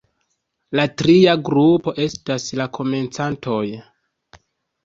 La tria grupo estas la komencantoj.